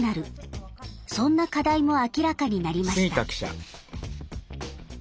そんな課題も明らかになりました。